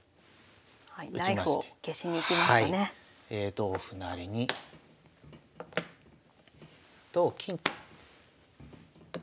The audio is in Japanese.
同歩成に同金と。